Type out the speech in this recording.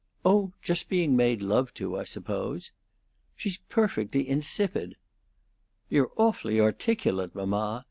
"Oh, just being made love to, I suppose." "She's perfectly insipid!" "You're awfully articulate, mamma!